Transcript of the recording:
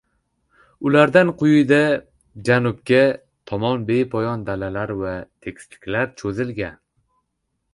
Ulardan quyida janubga tomon bepoyon dalalar va tekisliklar choʻzilgan.